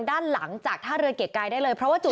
แต่ว่าไม่สามารถผ่านเข้าไปที่บริเวณถนน